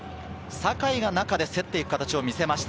酒井が中で競っていく形を見せました。